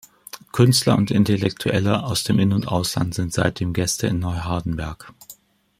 Künstler und Intellektuelle aus dem In- und Ausland sind seitdem Gäste in Neuhardenberg.